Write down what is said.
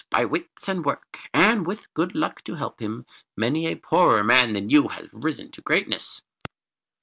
By wits and work, and with Good Luck to help him, many a poorer man than you has risen to greatness."